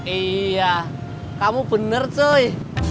iya kamu bener cuy